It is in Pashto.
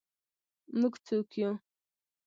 موږ څوک یو؟